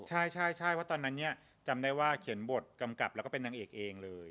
ใช่เพราะตอนนั้นเนี่ยจำได้ว่าเขียนบทกำกับแล้วก็เป็นนางเอกเองเลย